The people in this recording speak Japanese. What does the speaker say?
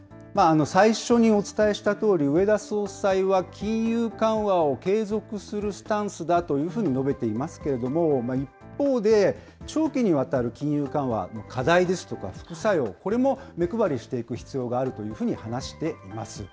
最初にお伝えしたとおり、植田総裁は金融緩和を継続するスタンスだというふうに述べていますけれども、一方で長期にわたる金融緩和の課題ですとか副作用、これも目配りしていく必要があるというふうに話しています。